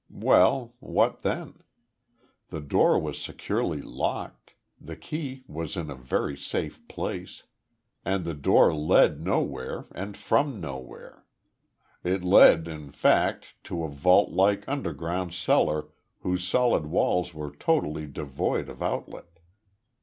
Well, what, then? The door was securely locked, the key was in a very safe place. And the door led nowhere and from nowhere. It led, in fact, to a vault like underground cellar whose solid walls were totally devoid of outlet.